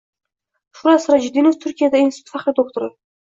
Shuhrat Sirojiddinov Turkiyadagi institut faxriy doktori